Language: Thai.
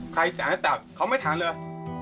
ใครสะอาดให้ตาบเขาไม่ถามเลย